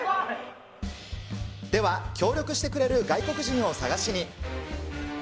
では、協力してくれる外国人を探しに。